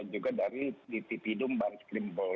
dan juga dari duktinidung baris kempore